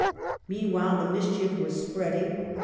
Meanwhile, the mischief was spreading.